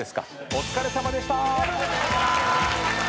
お疲れさまでした。